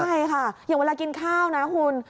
ใช่ค่ะอย่างเวลากินข้าวนะคุณ